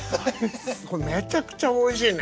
これめちゃくちゃおいしいね。